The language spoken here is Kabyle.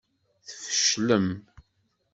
Tfeclem.